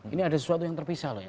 ini ada sesuatu yang terpisah loh ya